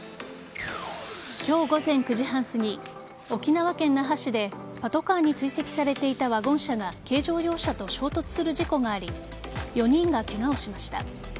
今日午前９時半すぎ沖縄県那覇市でパトカーに追跡されていたワゴン車が軽乗用車と衝突する事故があり４人がケガをしました。